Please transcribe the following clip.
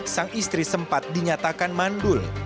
sang istri sempat dinyatakan mandul